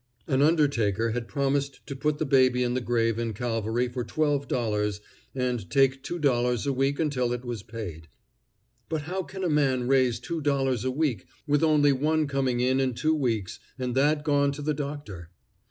An undertaker had promised to put the baby in the grave in Calvary for twelve dollars and take two dollars a week until it was paid. But how can a man raise two dollars a week, with only one coming in in two weeks, and that gone to the doctor?